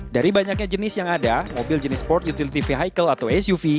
dari banyaknya jenis yang ada mobil jenis sport utility vehicle atau suv